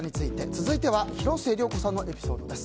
続いては、広末涼子さんのエピソードです。